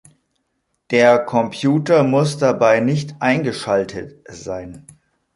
Der Computer muss dabei nicht eingeschaltet sein.